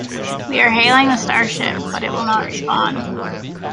We are hailing the starship but it will not respond.